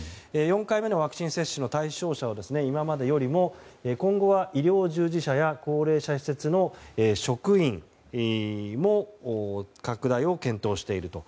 ４回目のワクチン接種の対象者を今までよりも今後は医療従事者や高齢者施設の職員へも拡大を検討していると。